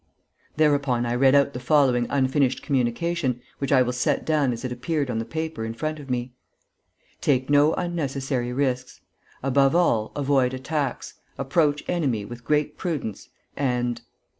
Thereupon I read out the following unfinished communication, which I will set down as it appeared on the paper in front of me: "_Take no unnecessery risks. Above all, avoid atacks, approach ennemy with great prudance and....